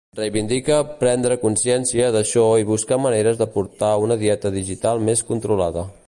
Reivindica prendre consciència d'això i buscar maneres de portar una dieta digital més controlada.